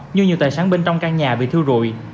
như nhiều tài sản bên trong căn nhà bị thư rụi